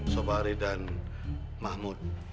sobari dan mahmud